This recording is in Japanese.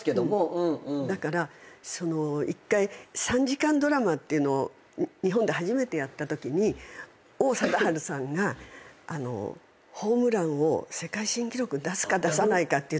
だから１回３時間ドラマを日本で初めてやったときに王貞治さんがホームランを世界新記録出すか出さないかっていうときが。